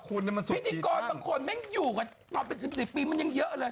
พิธีกรบางคนแม่งอยู่กันมาเป็น๑๔ปีมันยังเยอะเลย